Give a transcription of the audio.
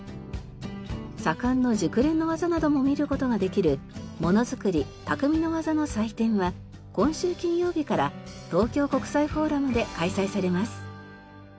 左官の熟練の技なども見る事ができるものづくり・匠の技の祭典は今週金曜日から東京国際フォーラムで開催されます。